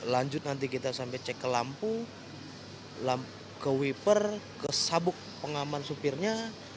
lanjut nanti kita sampai cek ke lampu ke wiper ke sabuk pengaman supirnya